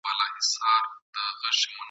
زه به بختور یم !.